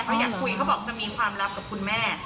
เขาอยากคุยเขาบอกจะมีความลับกับคุณแม่